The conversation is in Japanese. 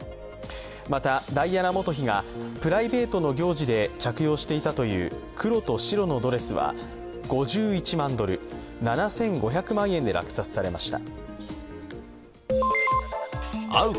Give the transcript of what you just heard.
またダイアナ元妃がプライベートの行事で着用していたという黒と白のドレスは５１万ドル、７５００万円で落札されました。